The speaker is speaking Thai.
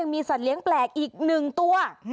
มีสัตว์เลี้ยงแปลกอีก๑ตัว